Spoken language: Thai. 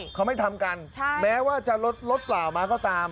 เขาไม่ทำกันแม้ว่าจะลดลดเปล่ามาก็ตาม